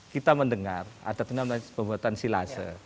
kita mendengar ada penyelamat pembahasan silase